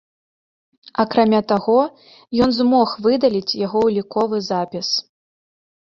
Акрамя таго, ён змог выдаліць яго уліковы запіс.